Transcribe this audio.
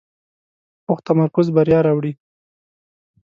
پوخ تمرکز بریا راوړي